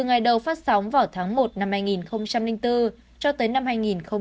nó phát sóng vào tháng một năm hai nghìn bốn cho tới năm hai nghìn một mươi năm